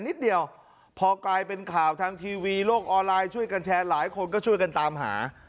นิดเดียวพอกลายเป็นข่าวทางทีวีโลกออนไลน์ช่วยกันแชร์หลายคนก็ช่วยกันตามหา